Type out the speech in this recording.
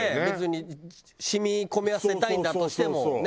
別に染み込ませたいんだとしてもね。